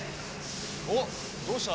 おっどうした？